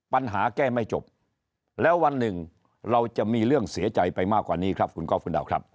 แก้ไม่จบแล้ววันหนึ่งเราจะมีเรื่องเสียใจไปมากกว่านี้ครับคุณก้อฟคุณดาวครับ